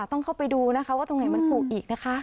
ต้องเข้าไปดูนะคะว่าตรงไหนมันผูกอีกนะคะ